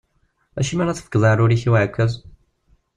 Acimi ara tefkeḍ aɛrur-ik i uɛekkaz?